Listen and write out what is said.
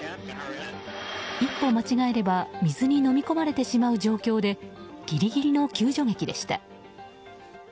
一歩間違えれば水にのみ込まれてしまう状況でギリギリの救助劇でした。